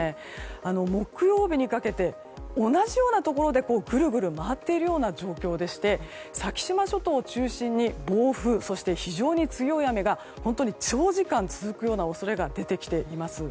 木曜日にかけて同じようなところでぐるぐる回っているような状況でして先島諸島を中心に暴風、非常に強い雨が長時間続く恐れが出てきています。